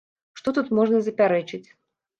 Што тут можна запярэчыць?